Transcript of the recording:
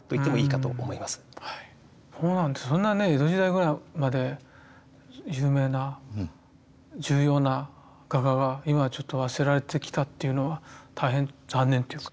そんな江戸時代ぐらいまで有名な重要な画家が今ちょっと忘れられてきたというのは大変残念っていうか。